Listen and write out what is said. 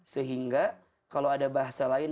sehingga kalau ada bahasa lain